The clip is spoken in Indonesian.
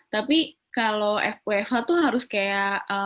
tapi kalau fwfh tuh harus kayak